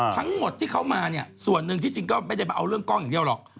ทั้งหมดที่เขามาเนี่ยส่วนหนึ่งที่จริงก็ไม่ได้มาเอาเรื่องกล้องอย่างเดียวหรอก